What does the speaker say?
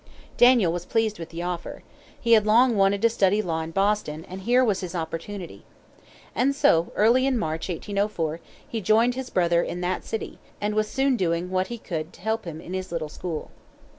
Daniel was pleased with the offer. He had long wanted to study law in Boston, and here was his opportunity. And so, early in March, 1804, he joined his brother in that city, and was soon doing what he could to help him in his little school.